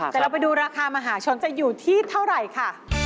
แต่เราไปดูราคามหาชนจะอยู่ที่เท่าไหร่ค่ะ